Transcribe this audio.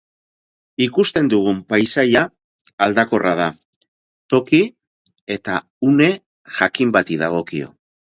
Ikusten dugun paisaia aldakorra da, toki eta une jakin bati dagokio.